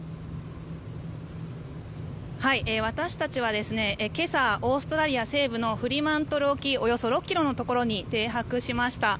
私たちは今朝オーストラリア西部のフリマントル沖およそ６ｋｍのところに停泊しました。